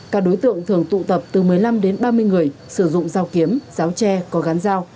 các đối tượng thường tụ tập từ một mươi năm đến ba mươi người sử dụng dao kiếm ráo tre có gắn dao